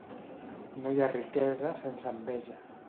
No hi ha riquesa sense enveja.